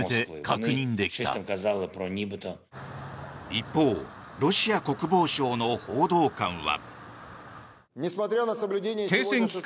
一方、ロシア国防省の報道官は。